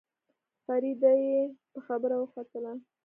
فريده يې په خبره وختله.